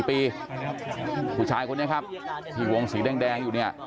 ผู้ชายคนนี้ครับที่วงสีแดงอยู่เนี่ย